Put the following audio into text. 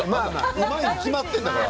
うまいに決まっているんだから。